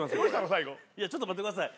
最後ちょっと待ってください